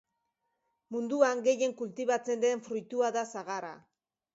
Munduan gehien kultibatzen den fruitua da sagarra.